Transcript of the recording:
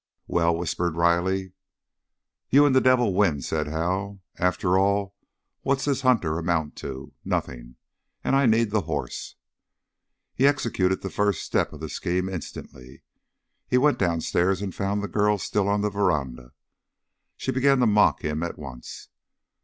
"Well?" whispered Riley. "You and the devil win," said Hal. "After all, what's this Hunter amount to? Nothing. And I need the horse!" He executed the first step of the scheme instantly. He went downstairs and found the girl still on the veranda. She began to mock him at once.